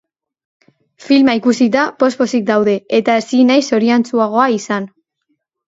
Filma ikusita, poz-pozik daude, eta ezin naiz zoriontsuagoa izan.